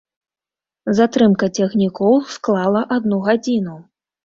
Затрымка цягнікоў склала адну гадзіну.